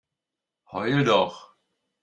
Heul doch!